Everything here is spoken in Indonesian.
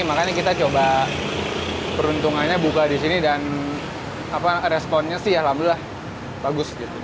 makanya kita coba peruntungannya buka di sini dan responnya sih alhamdulillah bagus gitu